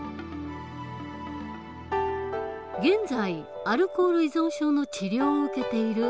現在アルコール依存症の治療を受けている３０代の男性。